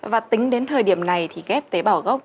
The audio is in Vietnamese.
và tính đến thời điểm này thì ghép tế bảo gốc